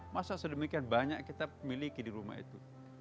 masa sedemikian banyak kita miliki itu